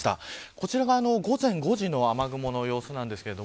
こちらは午前５時の雨雲の様子です。